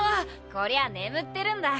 こりゃあ眠ってるんだ。